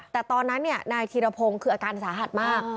แต่ตอนนั้นนายธีรพงศ์คืออาการสาหัสมาก